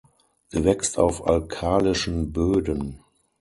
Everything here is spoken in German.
Sie wächst auf alkalischen Böden.